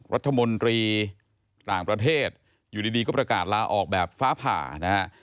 รัฐมนตรีต่างประเทศอยู่ดีก็ประกาศลาออกแบบฟ้าผ่านะฮะ